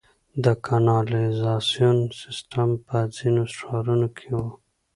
د کانالیزاسیون سیستم په ځینو ښارونو کې و